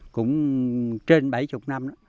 cũng trên bảy mươi năm